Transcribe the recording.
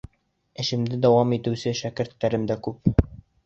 Эшемде дауам итеүсе шәкерттәрем дә күп.